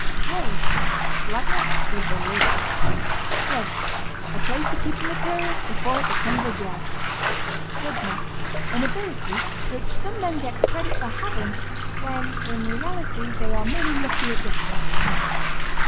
JOY. Gladness with the lid off. JUG. A place to keep the material before it becomes a jag. JUDGMENT. An ability which some men get credit for having when in reality they are merely lucky at guessing things.